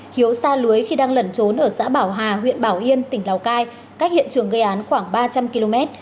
hiếu xa lưới khi đang lẩn trốn ở xã bảo hà huyện bảo yên tỉnh lào cai cách hiện trường gây án khoảng ba trăm linh km